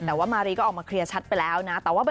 แต่ว่ามารีก็ออกมาเคลียร์ชัดไปแล้วนะ